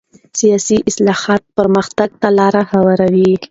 سیاسي اصلاحات پرمختګ ته لاره هواروي